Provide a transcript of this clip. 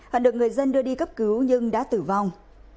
và được người dân đưa đi cấp cứu nhưng đã tử vong